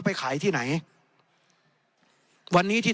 ในทางปฏิบัติมันไม่ได้